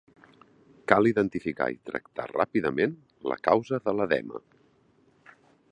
Cal identificar i tractar ràpidament la causa de l'edema.